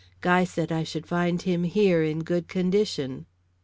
Guy said I should find him here in good condition?"